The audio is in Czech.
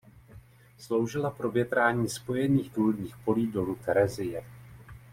Sloužila pro větrání spojených důlních polí dolu Terezie.